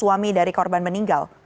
suami dari korban meninggal